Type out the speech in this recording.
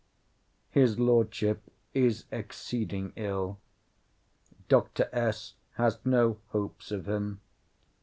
His Lordship is exceeding ill. Dr. S. has no hopes of him.